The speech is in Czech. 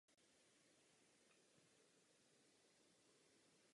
Proto nebude tento úkol příliš složitý.